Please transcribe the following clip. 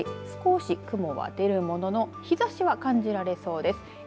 少し雲は出るものの日ざしは感じられそうです。